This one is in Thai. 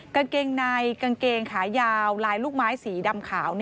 กางเกงในกางเกงขายาวลายลูกไม้สีดำขาว